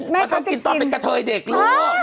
มันต้องกินตอนเป็นกะเทยเด็กลูก